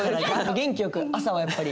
元気よく朝はやっぱり。